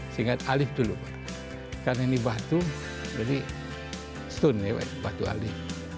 sehingga alif dulu pak karena ini batu jadi stone ya batu alif